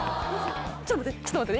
ちょっと待ってね